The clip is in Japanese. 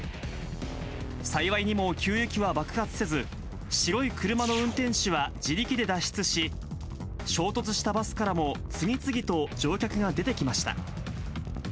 幸いにも給油機は爆発せず、白い車の運転手は自力で脱出し、衝突したバスからも次々と乗客が出てきました。